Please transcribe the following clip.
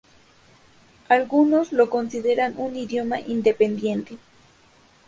Algunos lo consideran un idioma independiente.